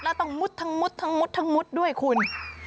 แล้วต้องมุดทั้งมุดทั้งมุดทั้งมุดด้วยคุณ